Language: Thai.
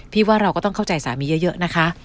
ว่าเราก็ต้องเข้าใจสามีเยอะนะคะ